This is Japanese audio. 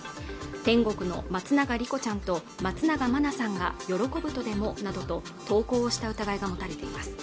天国の松永莉子ちゃんと松永真菜さんが喜ぶとでもなどと投稿した疑いが持たれています